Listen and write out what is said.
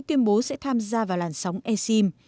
tuyên bố sẽ tham gia vào làn sóng e sim